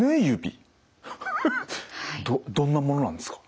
どんなものなんですか？